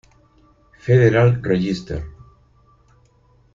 Federal Register.